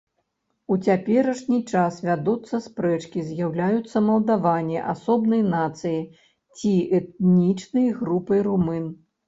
У цяперашні час вядуцца спрэчкі, з'яўляюцца малдаване асобнай нацыяй ці этнічнай групай румын.